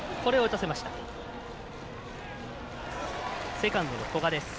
セカンドの古賀です。